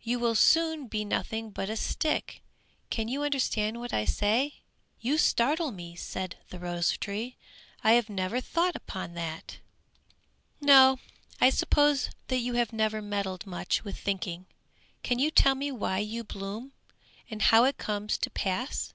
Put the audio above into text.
You will soon be nothing but a stick! Can you understand what I say?" "You startle me," said the rose tree, "I have never thought upon that!" "No, I suppose that you have never meddled much with thinking! Can you tell me why you blossom? And how it comes to pass?